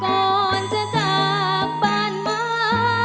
ก่อนจะจากบ้านมา